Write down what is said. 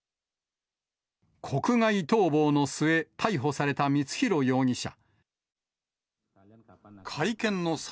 国外逃亡の末、逮捕された光弘容疑者。